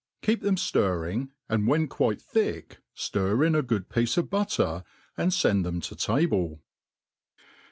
Keep them ftirring, and when quite thick, ftir in a good piece of butter, and fend them to table.